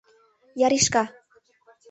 Яришка!